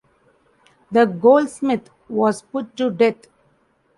The Goldsmith was put to death.